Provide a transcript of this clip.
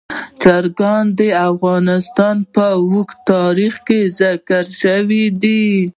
چرګان د افغانستان په اوږده تاریخ کې ذکر شوي دي.